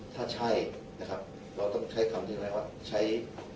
ถ้าใช่เราต้องใช้คำที่เขาเรียกว่า